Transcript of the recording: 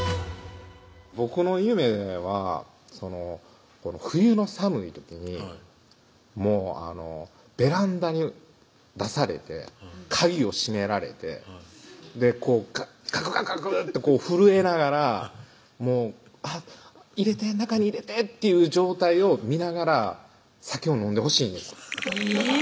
僕の夢はその冬の寒い時にあのベランダに出されて鍵を閉められてこうガクガクガクッと震えながら「入れて中に入れて」っていう状態を見ながら酒を飲んでほしいんですえぇ？